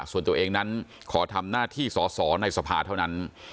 ส่วนตัวเองนั้นขอทำหน้าที่สอสอในสภาเท่านั้น